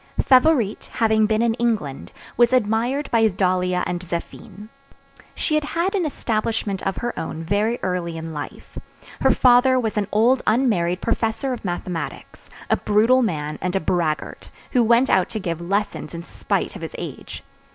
Favourite having been in England, was admired by Dahlia and Zéphine. She had had an establishment of her own very early in life. Her father was an old unmarried professor of mathematics, a brutal man and a braggart, who went out to give lessons in spite of his age.